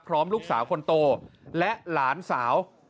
ลูกสาวคนโตและหลานสาว